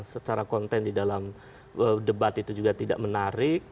secara konten di dalam debat itu juga tidak menarik